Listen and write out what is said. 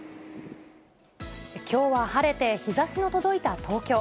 きょうは晴れて、日ざしの届いた東京。